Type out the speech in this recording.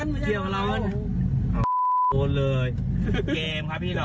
ไม่เกี่ยวกับเรา